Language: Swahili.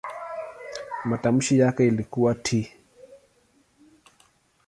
Matamshi yake ilikuwa "t".